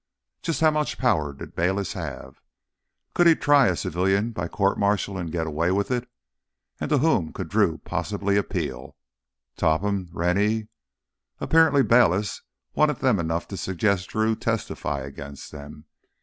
Just how much power did Bayliss have? Could he try a civilian by court martial and get away with it? And to whom could Drew possibly appeal? Topham? Rennie? Apparently Bayliss wanted them enough to suggest Drew testify against them.